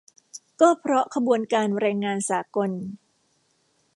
ก็เพราะขบวนการแรงงานสากล